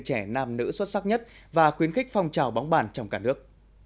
trẻ nam nữ xuất sắc nhất và khuyến khích phong trào bóng bàn trong cả nước